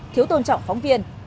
thiếu tôn trọng phóng viên